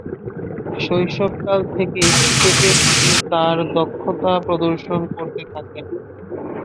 শৈশবকাল থেকেই ক্রিকেটে তিনি তার দক্ষতা প্রদর্শন করতে থাকেন।